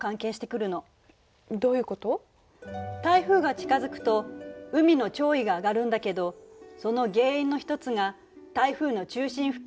台風が近づくと海の潮位が上がるんだけどその原因の一つが台風の中心付近の気圧が低いこと。